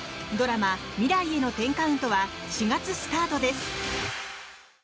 ドラマ「未来への１０カウント」は４月スタートです！